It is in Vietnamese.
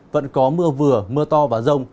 vẫn có mưa vừa mưa to và rông